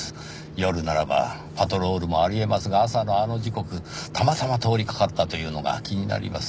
夜ならばパトロールもあり得ますが朝のあの時刻たまたま通りかかったというのが気になります。